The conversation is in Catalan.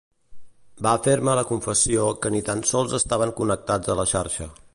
Va fer-me la confessió que ni tan sols estaven connectats a la xarxa.